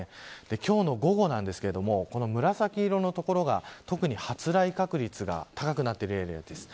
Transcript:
今日の午後ですが紫色の所が特に発雷確率が高くなっているエリアです。